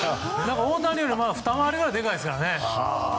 大谷より、ふた回りぐらいでかいですからね。